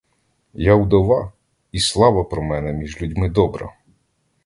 Я удова, і слава про мене між людьми добра.